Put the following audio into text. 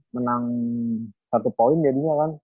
menang satu poin jadinya kan